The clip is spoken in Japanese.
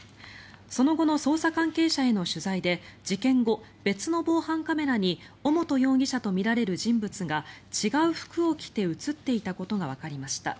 その後の捜査関係者への取材で事件後、別の防犯カメラに尾本容疑者とみられる人物が違う服を着て映っていたことがわかりました。